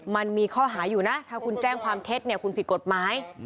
มันมีข้อหาอยู่นะถ้าคุณแจ้งความเท็จเนี่ยคุณผิดกฎหมาย